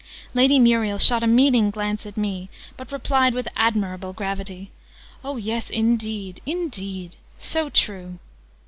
Lady Muriel shot a meaning glance at me; but replied with admirable gravity. "Oh yes indeed, indeed! So true!"